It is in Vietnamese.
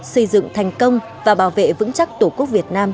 xây dựng thành công và bảo vệ vững chắc tổ quốc việt nam